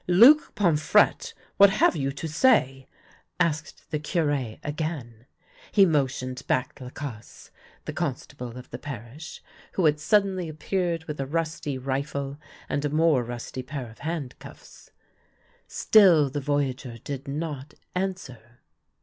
" Luc Pomfrette, what have you to say ?" asked the Cure again. He motioned back Lacasse, the con stable of the parish, who had suddenly appeared with a rusty rifle and a more rusty pair of handcuffs. Still the voyageur did not answer.